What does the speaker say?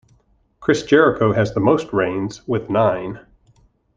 Chris Jericho has the most reigns with nine.